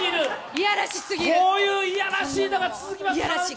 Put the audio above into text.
こういういやらしいのが続きます。